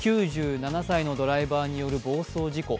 ９７歳のドライバーによる暴走事故。